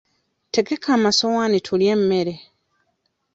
Tegeka amasowaani tulye emmere.